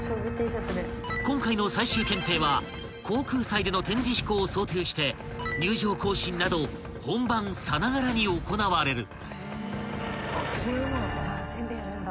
［今回の最終検定は航空祭での展示飛行を想定して入場行進など本番さながらに行われる］